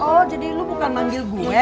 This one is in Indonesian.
oh jadi lu bukan manggil gue